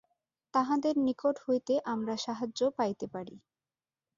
তাঁহাদের নিকট হইতে আমরা সাহায্য পাইতে পারি।